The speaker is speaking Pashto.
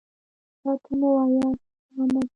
راته مه وایاست چې ملامت یې .